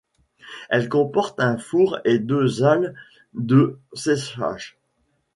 Elle comporte un four et deux halles de séchage.